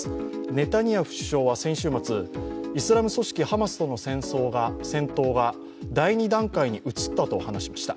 ネタニヤフ首相は先週末、イスラム組織ハマスとの戦闘が第２段階に移ったと話しました。